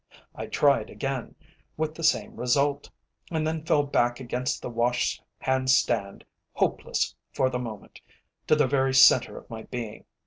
I tried again, with the same result, and then fell back against the wash hand stand, hopeless, for the moment, to the very centre of my being.